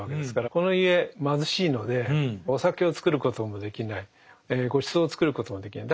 この家貧しいのでお酒を造ることもできないごちそうを作ることもできない。